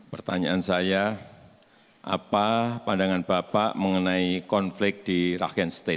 pertanyaan saya apa pandangan bapak mengenai konflik di rakhian state